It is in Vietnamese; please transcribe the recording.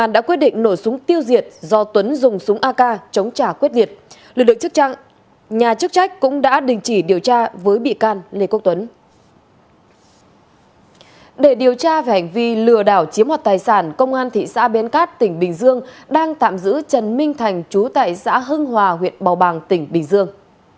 để điều tra về hành vi lừa đảo chiếm hoạt tài sản công an thị xã biên cát tỉnh bình dương đang tạm giữ trần minh thành trú tại xã hưng hòa huyện bào bàng tỉnh bình dương